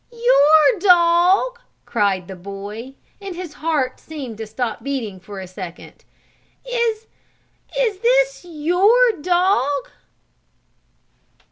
"Your dog?" cried the boy, and his heart seemed to stop beating for a second. "Is is this your dog?"